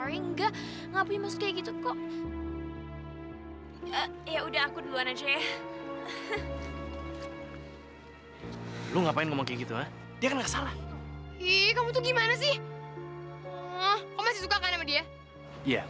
repotin aja bisanya